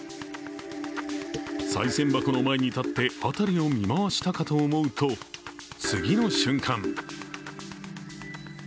さい銭箱の前に立って辺りを見回したかと思うと、次の瞬間。